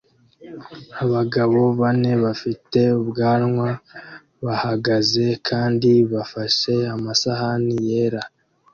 Abagabo bane bafite ubwanwa bahagaze kandi bafashe amasahani yera